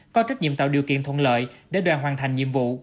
có trách nhiệm tạo điều kiện thuận lợi để đoàn hoàn thành nhiệm vụ